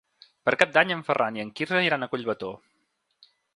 Per Cap d'Any en Ferran i en Quirze iran a Collbató.